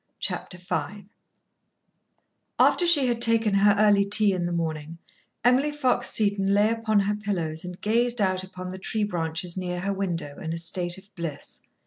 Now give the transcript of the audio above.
Chapter Five After she had taken her early tea in the morning, Emily Fox Seton lay upon her pillows and gazed out upon the tree branches near her window, in a state of bliss.